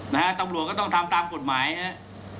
นะฮะตำรวจก็ต้องทำตามกฎหมายนะครับ